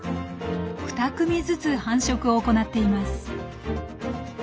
２組ずつ繁殖を行っています。